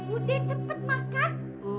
udah cepet makan